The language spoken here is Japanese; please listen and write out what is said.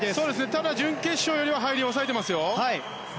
ただ、準決勝よりは入りを抑えていますね。